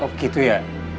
oh gitu ya